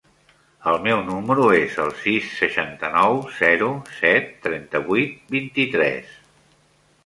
El meu número es el sis, seixanta-nou, zero, set, trenta-vuit, vint-i-tres.